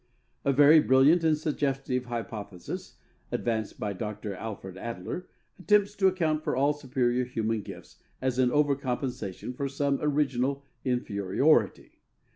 A very brilliant and suggestive hypothesis (advanced by Dr. Alfred Adler) attempts to account for all superior human gifts as an over compensation for some original "inferiority."